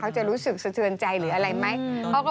เขาจะรู้สึกเศียรใจหรืออะไรไหม